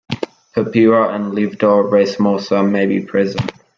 Purpura and livedo racemosa may be present.